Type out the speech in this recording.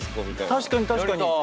確かに確かに。